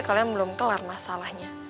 kalian belum kelar masalahnya